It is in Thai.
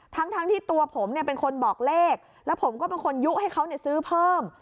ทั้งที่ตัวผมเนี่ยเป็นคนบอกเลขแล้วผมก็เป็นคนยุให้เขาซื้อเพิ่ม